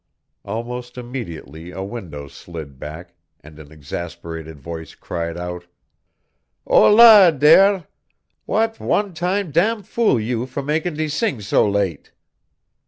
"_ Almost immediately a window slid back, and an exasperated voice cried out: "Hólà dere, w'at one time dam fool you for mak' de sing so late!"